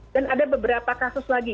dan ada beberapa kasus lagi